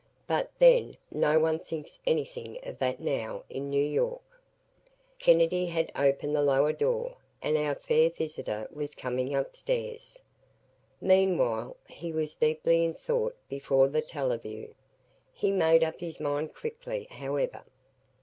But, then, no one thinks anything of that now, in New York. Kennedy had opened the lower door and our fair visitor was coming upstairs. Meanwhile he was deeply in thought before the "teleview." He made up his mind quickly, however.